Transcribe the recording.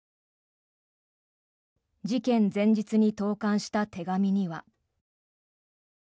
事件前日に投函した手紙には。